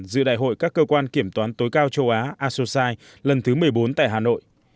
dự đại hội các cơ quan kiểm toán tối cao châu á asosai lần thứ một mươi bốn tại hà nội